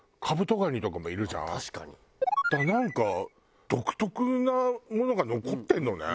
だからなんか独特なものが残ってるのね。